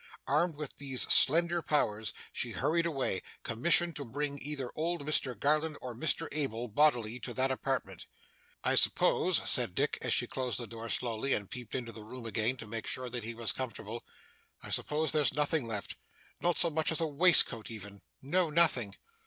Armed with these slender powers, she hurried away, commissioned to bring either old Mr Garland or Mr Abel, bodily, to that apartment. 'I suppose,' said Dick, as she closed the door slowly, and peeped into the room again, to make sure that he was comfortable, 'I suppose there's nothing left not so much as a waistcoat even?' 'No, nothing.